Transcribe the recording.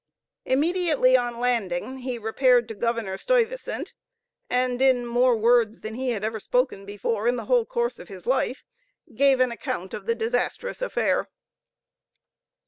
Immediately on landing, he repaired to Governor Stuyvesant, and in more words than he had ever spoken before in the whole course of his life, gave an account of the disastrous affair.